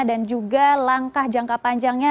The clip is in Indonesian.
dan juga langkah jangka panjangnya